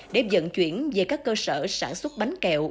để dẫn chuyển về các cơ sở sản xuất bánh kẹo